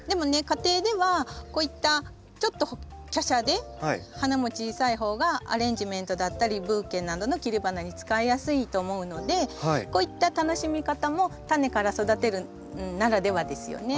家庭ではこういったちょっと華奢で花も小さい方がアレンジメントだったりブーケなどの切り花に使いやすいと思うのでこういった楽しみ方もタネから育てるならではですよね。